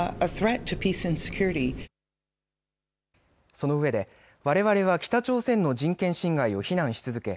そのうえでわれわれは北朝鮮の人権侵害を非難し続け